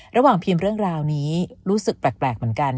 ระหว่างพิมพ์เรื่องราวนี้รู้สึกแปลกเหมือนกัน